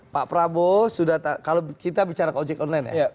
pak prabowo sudah kalau kita bicara ke ojek online ya